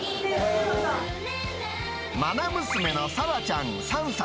まな娘の紗和ちゃん３歳。